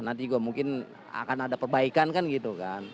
nanti juga mungkin akan ada perbaikan kan gitu kan